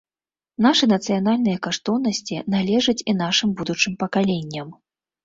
Нашы нацыянальныя каштоўнасці належаць і нашым будучым пакаленням.